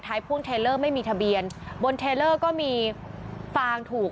พ่วงเทลเลอร์ไม่มีทะเบียนบนเทลเลอร์ก็มีฟางถูก